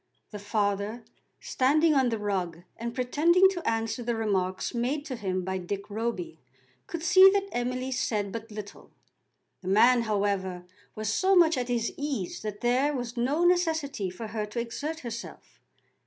The father, standing on the rug and pretending to answer the remarks made to him by Dick Roby, could see that Emily said but little. The man, however, was so much at his ease that there was no necessity for her to exert herself.